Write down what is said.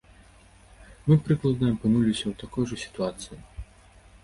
Мы, прыкладна, апынуліся ў такой жа сітуацыі.